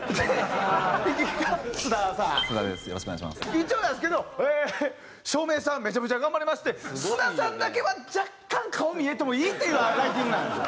一応なんですけど照明さんめちゃめちゃ頑張りまして須田さんだけは若干顔見えてもいいっていうライティングなんですよ。